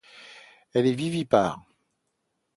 Elle est vivipare.